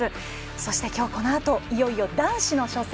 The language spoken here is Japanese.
そして、きょうこのあといよいよ男子の初戦。